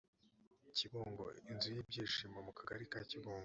kibungo inzu y ibyishimo mu kagari ka kibungo